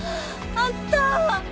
あった！